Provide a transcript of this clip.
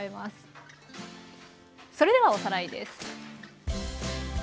それではおさらいです。